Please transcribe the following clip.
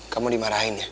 kamu dimarahin ya